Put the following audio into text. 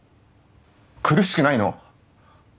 苦しくないの？